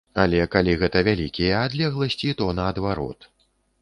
Але калі гэта вялікія адлегласці, то наадварот.